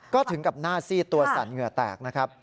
ก็ถึงกับหน้าซีดตัวสั่นเหงื่อแตกนะครับ